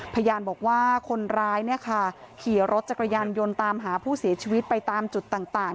พยานบอกว่าคนร้ายขี่รถจักรยานยนต์ตามหาผู้เสียชีวิตไปตามจุดต่าง